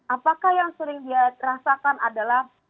apakah yang sering dia rasakan adalah